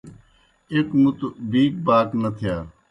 ایْک مُتوْ بِیک باک نہ تِھیا۔